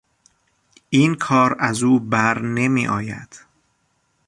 این کار از او بر نمیآید.